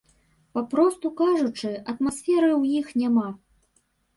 Папросту кажучы, атмасферы ў іх няма.